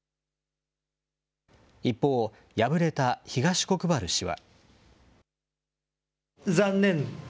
一方、敗れた東国原氏は。